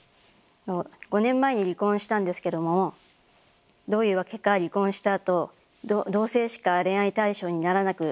５年前に離婚したんですけどもどういうわけか離婚したあと同性しか恋愛対象にならなくなりました。